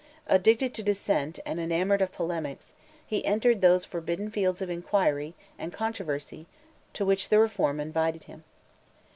Addicted to dissent, and enamoured of polemics, he entered those forbidden fields of inquiry and controversy to which the Reform invited him.